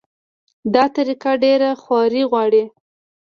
دا طریقه ډېره خواري غواړي.